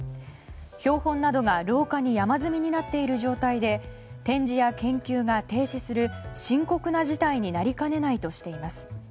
標本などが廊下に山積みになっている状態で展示や研究が停止する深刻な事態になりかねないとしています。